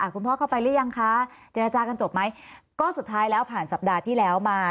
คุณพ่อเข้าไปหรือยังคะเจรจากันจบไหมก็สุดท้ายแล้วผ่านสัปดาห์ที่แล้วมา